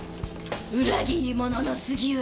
裏切り者の杉浦！